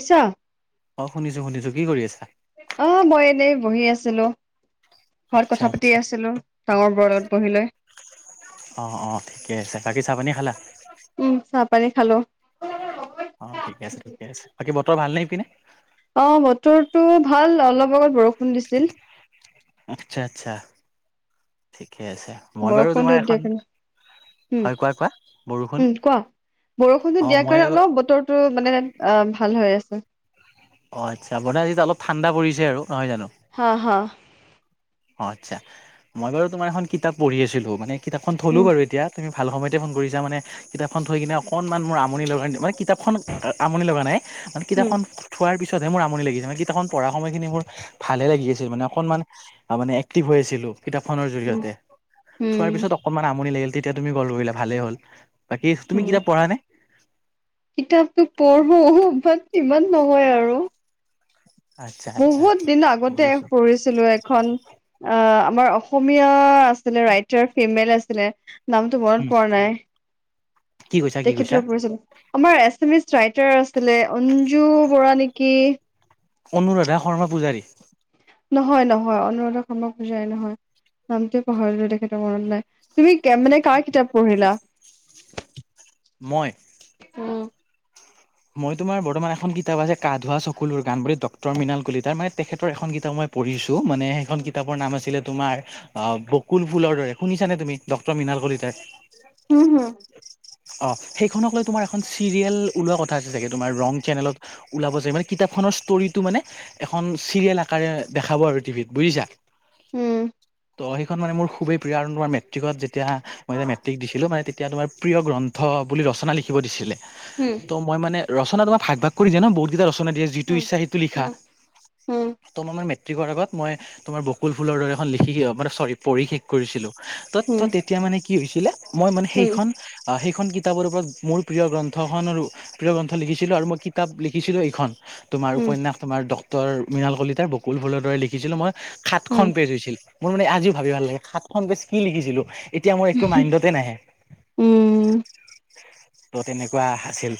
আছা অ শুনিছো, শুনিছোঁ কি কৰি আছা? অ মই এনেই বহি আছিলো। ঘৰত আচ্ছা কথা পাতি আচ্ছা, আছিলো ডাঙৰ বৰৰ লগত বহি লয়। অ অ ঠিকে আছে বাকী চাহ পানি খালা? উম চাহ পানী খালো। অ ঠিকে আছে ঠিকে আছে বাকী বতৰ ভাল নে ইপিনে? অ বতৰটো ভাল অলপ আগত বৰষুণ দিছিল। আচ্ছা আচ্ছা ঠিকেই আছে। মই বাৰু তোমাৰ বৰষুণটো এখন দিয়াৰ কাৰণে! হয় কোৱা কোৱা উম বৰষুণ উম কোৱা, বৰষুণটো অ দিয়াৰ মই কাৰণে অলপ অ বতৰ! টো মানে অ ভাল হৈ আছে। অঁ আচ্ছা মানে বতাহ দিছে অলপ ঠাণ্ডা পৰিছে আৰু নহয় জানো? হ হ অ আচ্ছা মই বাৰু তোমাৰ এখন কিতাপ পঢ়ি আছিলো মানে কিতাপখন থলো উম বাৰু এতিয়া। তুমি ভাল সময়তে ফোন কৰিছা মানে কিতাপখন থৈ কিনে! অকণমান মোৰ আমনি লগা মানে কিতাপখন আমনি লগা নাই মানে উম কিতাপখন! থোৱাৰ পিছতহে মোৰ আমনি লাগিছিল মানে কিতাপখন পঢ়া সময়খিনি মোৰ ভালে লাগি আছিল মানে অকণমান। মানে এক্টিভ হৈ আছিলো কিতাপখনৰ উম জৰিয়তে, উম থোৱাৰ পিছত ওক! অকণমান আমনি লাগিল তেতিয়া তুমি কল কৰিলা ভালেই হ'ল বাকী তুমি কিতাপ পঢ়া নে? কিতাপতো পঢ়ো বাত ইমান নহয় আৰু! আচ্ছা আচ্ছা বহুত দিন আগতে বুজিছোঁ পঢ়িছিলো। খন অ আমাৰ অসমীয়া আছিলে ৰাইটাৰ ফিমেল আছিলে। নামটো উম, মনত পৰা নাই কি কৈছা কি কৈছা তেখেতৰ পঢ়িছিলোঁ। আমাৰ এচমিচ ৰাইটাৰ আছিলে অঞ্জু বৰা নেকি? অনুৰাধা শৰ্মা পূজাৰী নি? নহয় নহয় অনুৰাধা শৰ্মা পূজাৰী নহয় নামটোৱে পাহৰিলো তেখেতৰ মনত নাই তুমি [unintelligible] মানে কাৰ কিতাপ পঢ়িলা? মই উম মই তোমাৰ বৰ্তমান এখন কিতাপ আছে কা ধুৱোৱা চকুলৰ গান বুলি ডক্টৰ মৃণাল কলিতাৰ মানে তেখেতৰ এখন কিতাপ মই। পঢ়িছো মানে সেইখন কিতাপৰ নাম আছিলে, তোমাৰ! অ বকুল ফুলৰ দৰে শুনিছ নে তুমি ডক্টৰ মৃণাল কলিতাৰ। হম হুম অ সেইখনক লৈ তোমাৰ এখন চিৰিয়েল ওলোৱা কথা আছে চাগে তোমাৰ ৰং চেনেলত। ওলাব যায় মানে কিতাপখনৰ ষ্টৰিটো মানে! এখন চিৰিয়েল আকাৰে দেখাব আৰু টিভিত বুজিছা? উম ত' সেইখন মানে মোৰ খুবেই প্ৰিয় আৰু তোমাৰ মেট্ৰিকত যেতিয়া! মই এতিয়া মেট্ৰিক দিছিলো মানে তেতিয়া তোমাৰ প্ৰিয় গ্ৰন্থ বুলি ৰচনা লিখিব দিছিলে। হুম ত' মই মানে ৰচনা তোমাক ভাগ ভাগ কৰি দা ন বহুতকেইটা ৰচনা দিয়া যিটো উম ইচ্ছা সেইটো লিখা। উম উম ত মান মেট্ৰিকৰ আগত মই। তোমাৰ বকুল ফুলৰ দৰে এখন লিখি মানে চৰি পঢ়ি শেষ কৰিছিলো। ত উম তেতিয়া মানে কি হৈছিলে মই মানে উম সেইখন। সেইখন কিতাপৰ ওপৰত মোৰ প্ৰিয় গ্ৰন্থখন আৰু! প্ৰিয় গ্ৰন্থ লিখিছিলো আৰু মই কিতাপ লিখিছিলো এইখন তোমাৰ উম উপন্যাস। তোমাৰ ডক্টৰ মৃণাল কলিতাৰ বকুল ফুলৰ দৰে লিখিছিলো মই সাতখন উম উম পেজ হৈছিল। মোৰ মানে আজিও ভাবি ভাল লাগে, সাতখন পেজ কি লিখিছিলো? এতিয়া মোৰ একো মাইণ্ডতে নাহে ত' তেনেকুৱা আছিল।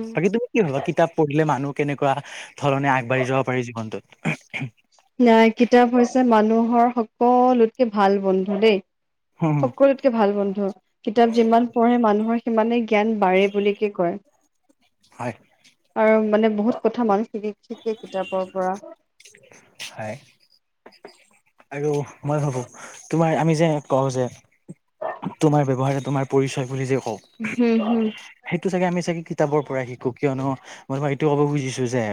উম বাকী তুমি কি ভবা কিতাপ পঢ়িলে মানুহ? কেনেকুৱা ধৰণে আগবাঢ়ি যাব পাৰি জীৱনটোত? ন কিতাপ হৈছে মানুহৰ সকলোতকে ভাল বন্ধু দেই। সকলোতে! ভাল বন্ধু কিতাপ যিমান পঢ়ে মানুহৰ সিমানে জ্ঞান বাঢ়ে বুলিকে কয়। হয় আৰু মানে বহুত কথা মানুহ শিক শিকে কিতাপৰ পৰা। হয় আৰু মই ভাবোঁ তোমাৰ আমি যে কওঁ যে! তোমাৰ ব্যৱহাৰে তোমাৰ পৰিচয় বুলি যে কও। হম হুম সেইটো চাগে আমি চাগে কিতাপৰ পৰাই শিকো কিয়নো মই তোমাক এইটো কব খুজিছো যে!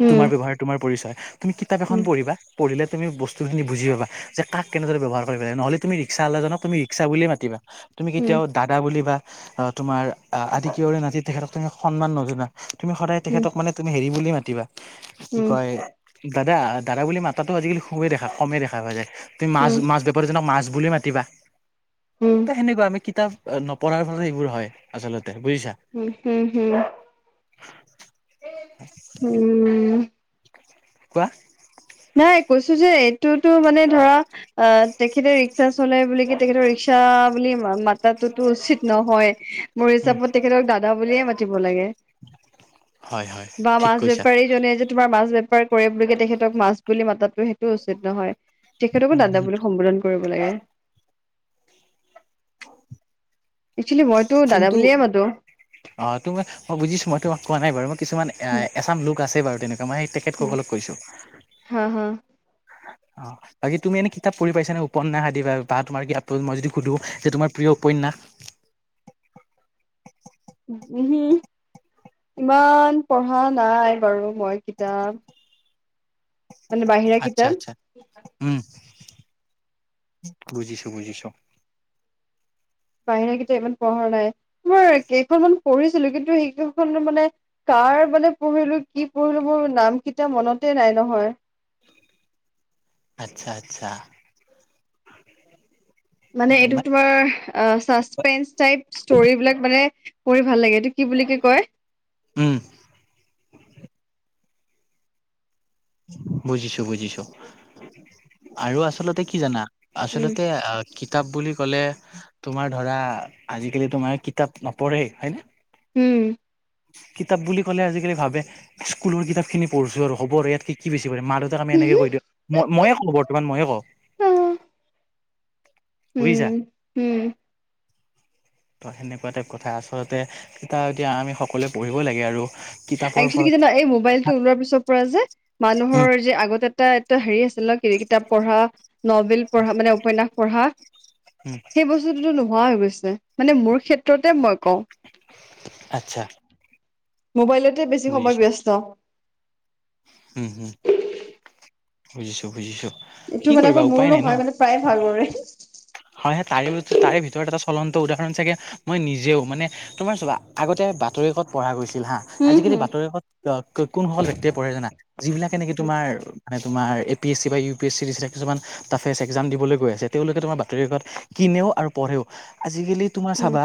হম হম তোমাৰ ব্যৱহাৰে তোমাৰ পৰিচয় তুমি কিতাপ এখন উম পঢ়িবা। পঢিলে তুমি বস্তুখি বুজি পাবা কাক কেনেকে ব্যৱহাৰ কৰিবা নহলে তুমি ৰিক্সাৱালাজনক তুমি ৰিক্সা বুলিয়েই মাতিবা। তুমি কেতিয়াও উম দাদা বুলি বা তোমাৰ আদি কিয়ৰে নাতি তেখেতক তুমি সন্মান নজনা। তুমি সদায় তেখেতক মানে তুমি হেৰি বুলিয়েই মাতিবা কি উম কয়? দাদা দাদা বুলি মাতাতো আজিকালি! খুবেই দেখা কমেই দেখা পোৱা যায়, তুমি উম মাছ উম মাছ বেপাৰীজনক মাছ বুলি মাতিবা। ত উম সেনেকুৱা আমি কিতাপ নপঢ়াৰ ফলত সেইবোৰ হয়, আচলতে বুজিছা। উম হুম হুম উম কোৱা নাই কৈছো যে এইটোতো মানে ধৰা! আহ তেখেতে ৰিক্সা চলাই বুলি ক তেখেতৰ ৰিক্সা বুলি মাতাোতো উচিত নহয়। মোৰ উম হিচাপত তেখেতক দাদা বুলিয়ে মাতিব লাগে। হয় হয় বা ঠিক মাছ কৈছা বেপাৰী জনে যে তোমাৰ মাছ বেপাৰ কৰে বুলি কে তেখেতক মাছ! বুলি মাতাতো সেইটো উচিত নহয়, তেখেতকো দাদা বুলি সম্বোধন কৰিব লাগে। অক্সুৱালি মইতো দাদা কিন্তু বুলিয়ে মাতো। অ তুম মই বুজিছো মই তোমাক কোৱা নাই বাৰু মই কিছুমান এ এছাম লোক আছে বাৰু তেনেকুৱা মই সেই! তেখেতসকলক কৈছোঁ। হা হা অ বাকী তুমি এনে কিতাপ পঢ়ি পাইছানে? উপন্যাস আদি বা বা তোমাৰ কিতাপটো মই যদি সোধোঁ যে তোমাৰ প্ৰিয় উপন্যাস। উ ইমান পঢ়া নাই বাৰু মই কিতাপ। মানে বাহিৰা আচ্ছা কিতাপ আচ্ছা উম বুজিছো বুজিছো। বাহিৰা কিতাব ইমান পঢ়া নাই মই কেইখনমান পঢ়িছিলো কিন্তু সেইখন মানে! কাৰ মানে পঢ়িলো কি পঢ়িলো মোৰ নাম কেইটা মনতে নাই নহয়। আচ্ছা আচ্ছা মানে এইটো উম তোমাৰ! অ চাচপেন্ঞ্চ টাইপ ষ্টৰিবিলাক মানে পঢ়ি ভাল লাগে এইটো কি বুলি ক কি কয়? উম বুজিছো বুজিছো আৰু আচলতে কি জানা, উম, আচলতে আহ! কিতাপ বুলি ক'লে তোমাৰ ধৰা আজিকালি তোমাৰে কিতাপ নপঢ়ে হয় নে? উম কিতাপ বুলি ক'লে আজিকালি ভাবে! স্কুলৰ কিতাপ খিনি পঢ়িছো আৰু হব আৰু ইয়াত কি বেছি পঢ়িম মা দেউাক আমি এনেকে কৈ দিওঁ। মই ময়ে কওঁ বৰ্তমান ময়ে কওঁ। [inaudible] বুজিছা? উম, উম, ত সেনেকুৱা টাইপ কথা আচলতে কিতাপ এতিয়া আমি সকলোৱে পঢ়িবই লাগে আৰু। কিতাপৰ একচুৱেলি কি ফলত জানা এই মোবাইলটো ওলোৱাৰ পিছৰ পৰা যে উম মানুহৰ যে আগতে! এ এটা হেৰি আছিল ন কি কিতাপ পঢ়া নবেল পঢ়া মানে উপন্যাস পঢ়া। উম সেই বস্তুটোতো নোহোৱা হৈ গৈছে, মানে মোৰ ক্ষেত্ৰতে মই কওঁ। আচ্ছা মোবাইলতে বেছি সময় বুজিছো ব্যস্ত। উম হুম বুজিছোঁ বুজিছো। এইটো কি মানে কৰিবা অকল মোৰো উপায় নাই ন নহয় মানে প্ৰায়ে ভাগৰে। হয় স তাৰে তাৰে ভিতৰত এটা চলন্ত উদাহৰণ চাগে! মই নিজেও মানে তোমাৰ চাবা আগতে বাতৰিকাকত পঢ়া গৈছিল হা, উম, আজিকালি হম, বাতৰি কাকত! অ কোনসকল ব্যক্তিয়ে পঢ়ে জানা যিবিলাকে নেকি তোমাৰ! মানে তোমাৰ এ পি এছি বা ইউ পি এছ চি দিচ কিছুমান টাফেচ এক্সাম দিবলৈ গৈ আছে তেওঁলোকে তোমাৰ! ত কিনেও আৰু পঢ়েও আজিকালি তোমাৰ উম, চাবা!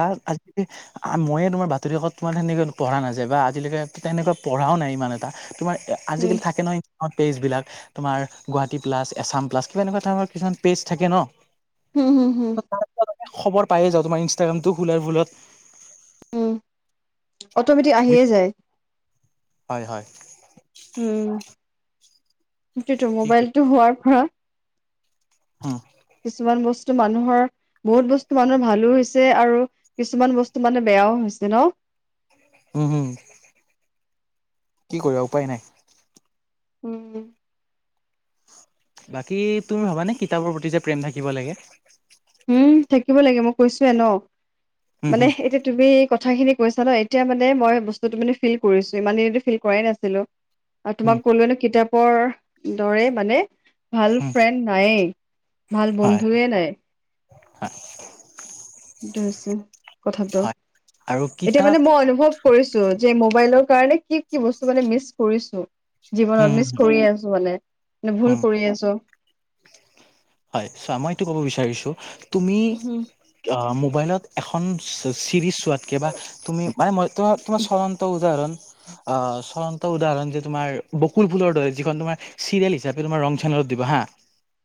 ময়ে তোমাৰ বাতৰি কাকত তোমাৰ তেনেকে পঢ়া নাযায় বা আজিলৈকে তেনেকুৱা পঢ়াও নাই ইমান এটা। তোমাৰ উম, আজিকালি থাকে নহয়। পেজবিলাক তোমাৰ গুৱাহাটী প্লাছ, এছাম প্লাছ কিবা এনেকুৱা ধৰণৰ কিছুমান পেজ থাকে ন। হুম হুম হুম খবৰ পায়ে যাওঁ তোমাৰ ইনষ্টাগ্ৰামতো খোলাৰ ভুলত। উম, অট'মেটিক আহিয়ে যায়। হয় হয় উম সেইটোৱেতো কি কৰি মোবাইলটো হোৱাৰ পৰা। হ কিছুমান বস্তু মানুহৰ! বহুত বস্তু মানুহৰ ভালো হৈছে আৰু কিছুমান বস্তু মানে বেয়াও হৈছে ন? উম হুম কি কৰিবা উপায় নায়। উম বাকী তুমি ভাবানে কিতাপৰ প্ৰতি যে প্ৰেম থাকিব লাগে। উম থাকিব লাগে মই কৈছোৱে ন উম মানে হম এতিয়া! তুমি কথাখিনি কৈছা ন এতিয়া মানে মই বস্তুতটো মানে ফিল কৰিছো ইমান দিনো টো ফিল কৰাই নাছিলো। আৰু উম তোমাক কলোৱে ন কিতাপৰ দৰে মানে ভাল উম ফ্ৰেণ্ড নায়েই। ভাল হয় বন্ধুয়ে নায়। সেইটো হৈছে কথাটো হয় আৰু এতিয়া কিতাপ মানে মই অনুভৱ! কৰিছো যে মোবাইলৰ কাৰণে কি কি বস্তু মানে মিচ কৰিছো। জীৱনত উম মিচ কৰি আছো মানে ভুল উম কৰি আছো। হয় চোৱা মই এইটো ক'ব বিচাৰিছোঁ তুমি! উম অ মোবাইলত এখন চিৰিজ! চোৱাতকে বা তুমি মানে তাৰ মই তোমাৰ চলন্ত উদাহৰণ! অ চ্বলন্ত উদাহৰণ যে তোমাৰ বকুল ফুলৰ দৰে যিখন তোমাৰ চিৰিয়েল হিচাপে তোমাৰ ৰং চেনেলত দিব হা।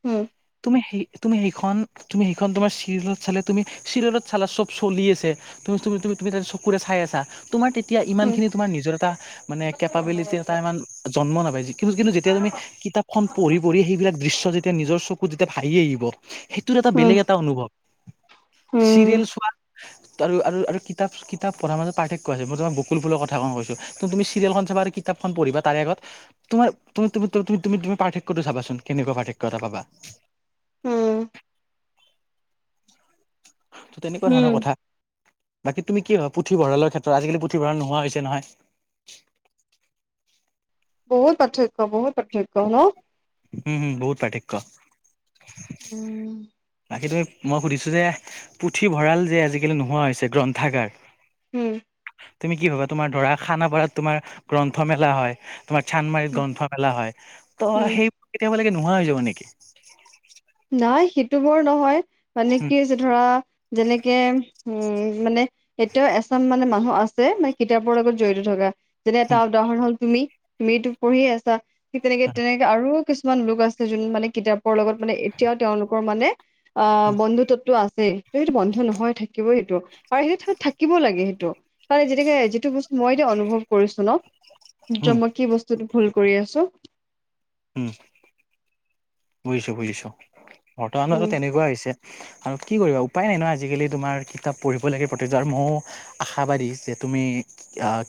হম তুমি সেই তুমি সেইখন তুমি সেইখন তোমাৰ চিৰলত চালে তুমি চিৰলত চালা চব চলি আছে। তুমি তুমি তাত চকুৰে চাই আছা। তোমাৰ তেতিয়া ইমান উম, খিনি তোমাৰ নিজৰ এটা মানে কেপাবিলিটি এটা ইমান জন্ম নাপায়। কি কিন্তু যেতিয়া তুমি কিতাপখন পঢ়ি পঢ়ি সেইবিলাক দৃশ্য যেতিয়া নিজৰ চকুত যেতিয়া ভাহি আহিব! সেইটোৰ এটা উম, বেলেগ এটা অনুভৱ, উম, চিৰিয়েল চোৱাৰ! আৰু আৰু কিতাপ কিতাপ পঢ়াৰ মাজত পাৰ্থক্য আছে মই তোমাক বকুল ফুলৰ কথা ক কৈছো। তুমি চিৰিয়েলখন চাবা আৰু কিতাপখন পঢ়িবা, তাৰে আগত। তোমাৰ তুমি তুমি তুমি পাৰ্থক্যটো চাবাচোন কেনেকোৱা পাৰ্থক্য এটা পাবা। উম, ত তেনেকুৱা ধৰণৰ উম, কথা বাকী তুমি কি ভাবা পুথিভঁৰালৰ ক্ষেত্ৰত আজিকালি পুথিভঁৰাল নোহোৱা হৈছে নহয়। বহুত পাৰ্থক্য বহুত পাৰ্থক্য ন? উম হুম বহুত পাৰ্থক্য। [inaudible] বাকী তুমি মই সুধিছো যে পুথিভঁৰাল যে আজিকালি নোহোৱা হৈছে গ্ৰন্থাগাৰ। উম তুমি কি ভাবা তোমাৰ ধৰা খানাপাৰাত তোমাৰ গ্ৰন্থ মেলা হয়। তোমাৰ চান্মাৰিত গ্ৰন্থমেলা হয় উম, ত' সেইবোৰ কেতিয়াবা লাগে নোহোৱা হৈ যাব নেকি? নাই সেইটো বৰ নহয় মানে উম কি যে ধৰা যেনেকে। উম মানে এতিয়াও এচাম মানে মানুহ আছে, মানে কিতাপৰ লগত জড়িত থকা। যেনে এটা উদাহৰণ হ'ল তুমি তুমিটো পঢ়ি আছা, ঠিক তেনেকে তেনেকে আৰু- কিছুমান লোক আছে যোন মানে কিতাপৰ লগত মানে এতিয়াও তেওঁলোকৰ মানে আহ' উম বন্ধু টো আছে ত' সেইটো বন্ধ নহয় থাকিবই সেইটো আৰু সেইটো থাকিবও লাগে সেইটো। যেনেকে যিটো বস্তু মই এতিয়া অনুভৱ কৰিছো ন' উম মই কি বস্তু- ভুল কৰি আছোঁ। উমঁ। বুজিছোঁ বুজিছোঁ, উম বৰ্তমানততো তেনেকুৱা হৈছে। আৰু কি কৰিবা উপায় নাই ন' আজিকালি তোমাৰ কিতাপ পঢ়িব লাগে প্ৰতিজন মইয়ো- আশাবাদী যে তুমি আহ'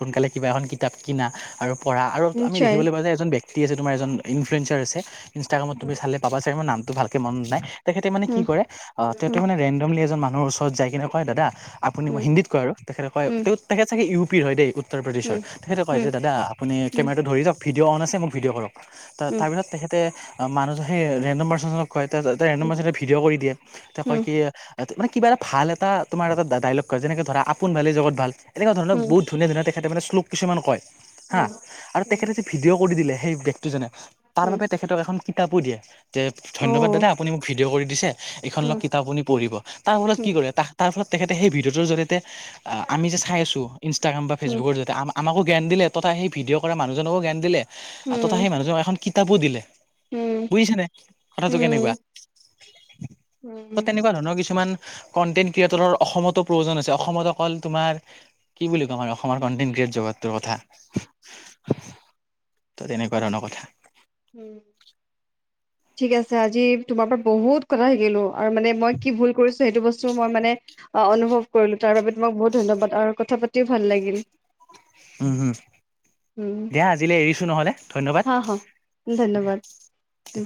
সোনকালে কিবা এখন কিতাপ কিনা আৰু- পঢ়া আৰু আমি নিশ্চয় দেখিবলৈ পাওঁ যে এজন ব্যক্তি আছে তোমাৰ এজন ইফ্লুৱেঞ্চাৰ আছে, ইনষ্টাগ্ৰামত তুমি চালে পাবা যে মোৰ নামটো ভালকে মনত নাই, তেখেতে মানে কি উম উম কৰে অ' তেখেতে উম মানে ৰেণ্ডমলি এজন মানুহ ৰ ওচৰত যায় কিনে কয় দাদা আপুনি মই উম হিন্দীত কয় আৰু, তেখেতে কয় উম তেখেত চাগে ইউ পিৰ হয় দেই- উত্তৰ প্ৰদেশৰ, তেখেতে কয় যে দাদা আপুনি কেমেৰাটো ধৰি দিয়ক, ভিডিঅ' অন আছে মোক ভিডিঅ' কৰক। তাৰপিছ তে মানুহতো সেই ৰেণ্ডম পাৰ্চনক কয় ৰেণ্ডম তাৰপিছত তাই ৰেণ্ডম পাৰ্চনজনে ভিডিঅ' কৰি দিয়ে। তে কয় কি মানে কিবা এটা ভাল এটা তোমাৰ এটা ডায়লগ কয় যেনেকে ধৰা আপোন ভালে জগত ভাল। এনেকুৱা ধৰণৰ বহুত ধুনীয়া ধুনীয়া তেখেতে মানে শ্লোক কিছুমান কয় হা আৰু তেখেতে যে ভিডিঅ' কৰি দিলে সেই ব্যক্তিজনে তাৰ বাবে তেখেতক এখন কিতাপো দিয়ে যে ধন্যবাদ দাদা আপুনি মোক ভিডিঅ' কৰি দিছে- এইখন লক কিতাপ আপুনি পঢ়িব। তাৰ ফলত কি কৰে তাৰ ফলত তেখেতে সেই ভিডিঅ'টোৰ জৰিয়তে অঁ' আমি যে চাই আছোঁ ইনষ্টাগ্ৰাম বা ফেচবুকৰ জৰিয়তে, আমাৰ আমাকো জ্ঞান দিলে তথা সেই ভিডিঅ' কৰা মানুহজনকো জ্ঞান দিলে আৰু তথা সেই মানুহজনক এখন কিতাপো দিলে। বুজিছা নে কথাটো কেনেকুৱা। ত' তেনেকুৱা ধৰণৰ কিছুমান কনটেন্ট ক্ৰিয়েটৰৰ অসমতো প্ৰয়োজন আছে, অসমত অকল তোমাৰ কি বুলি কম আৰু অসমৰ কণ্টেণ্ট ক্ৰিয়েট জগতটোৰ কথা। [unintelligible] ত' তেনেকুৱা ধৰণৰ কথা। উমঁ' ঠিক আছে, আজি তোমাৰ পৰা বহুত কথা শিকিলোঁ। আৰু মানে মই কি ভুল কৰিছোঁ সেইটো বস্তু মই মানে- অঁ' অনুভৱ কৰিলো তাৰ বাবে তোমাক বহুত ধন্যবাদ আৰু কথা পাতিও ভাল লাগিল। হুম হুম, উম দিয়া আজিলে এৰিছো নহ'লে ধন্যবাদ। হা হা ধন্যবাদ। উ